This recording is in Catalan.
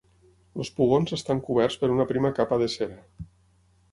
Els pugons estan coberts per una prima capa de cera.